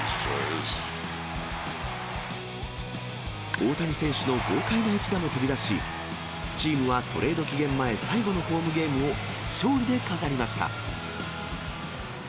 大谷選手の豪快な一打も飛び出し、チームはトレード期限前、最後のホームゲームを勝利で飾りました。